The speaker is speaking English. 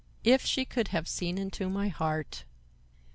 If she could have seen into my heart!